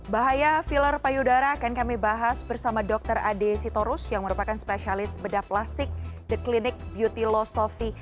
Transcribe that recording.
bahaya filler payudara akan kami bahas bersama dr ade sitorus yang merupakan spesialis bedah plastik the clinic beauty low softy